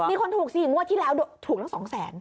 มีคนถูกสิมัวที่แล้วดูถูกละ๒แสน